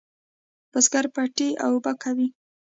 بزگر پټی اوبه کوي.